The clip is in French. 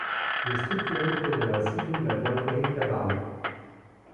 Il est structuré autour de la cité de la voile Éric Tabarly.